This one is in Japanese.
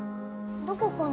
どこかな？